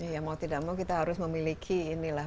ya mau tidak mau kita harus memiliki inilah